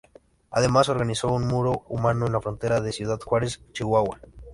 Además, organizó un muro humano en la frontera de Ciudad Juárez, Chihuahua.